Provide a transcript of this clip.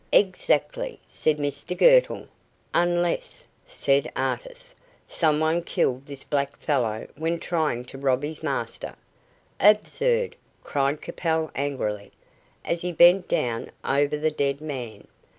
"Exactly," said Mr Girtle. "Unless," said Artis, "some one killed this black fellow when trying to rob his master." "Absurd!" cried Capel angrily, as he bent down over the dead man.